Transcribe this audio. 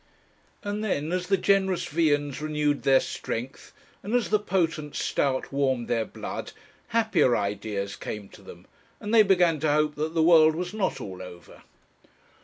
And then, as the generous viands renewed their strength, and as the potent stout warmed their blood, happier ideas came to them, and they began to hope that the world was not all over.